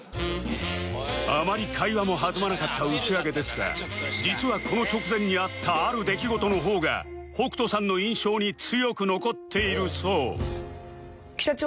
あまり会話も弾まなかった打ち上げですが実はこの直前にあったある出来事の方が北斗さんの印象に強く残っているそう